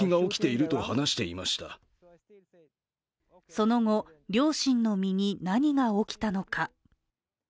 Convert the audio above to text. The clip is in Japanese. その後、両親の身に何が起きたのか。